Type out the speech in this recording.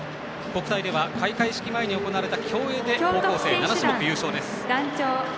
国体では開会式前に行われた競泳で高校生、７種目優勝です。